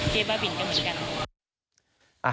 บ้าบินก็เหมือนกัน